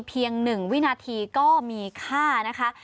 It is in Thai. เพียง๑วินาทีก็มีค่านะคะ